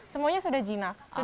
semuanya sudah jinak